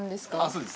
そうです